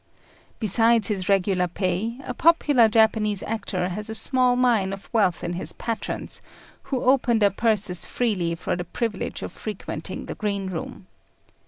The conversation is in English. Besides his regular pay, a popular Japanese actor has a small mine of wealth in his patrons, who open their purses freely for the privilege of frequenting the greenroom.